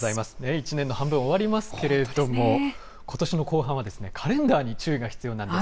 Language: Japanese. １年の半分、終わりますけれども、ことしの後半は、カレンダーに注意が必要なんです。